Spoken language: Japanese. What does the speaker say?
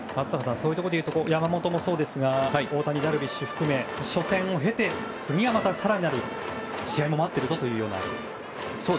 そういうところで言うと山本もそうですが大谷、ダルビッシュ含め初戦を経て次はまた更なる試合も待ってるぞというような。